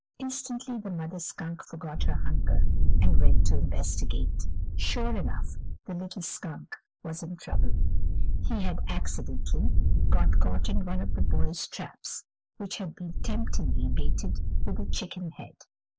Instantly the mother skunk forgot her hunger and went to investigate. Sure enough, the little skunk was in trouble; he had accidentally got caught in one of the boy's traps, which had been temptingly baited with a chicken head.